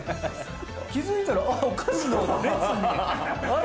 気付いたら、あっ、お菓子の列に、あれ？